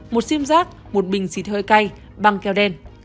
một xiêm rác một bình xịt hơi cay băng keo đen